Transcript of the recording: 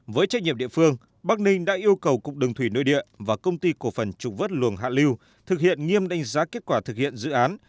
với trách nhiệm địa phương bắc ninh đã yêu cầu cục đường thủy nội địa và công ty cổ phần trục vớt luồng hạ lưu thực hiện nghiêm đánh giá kết quả thực hiện dự án